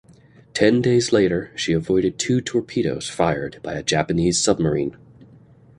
Ten days later, she avoided two torpedoes fired by a Japanese submarine.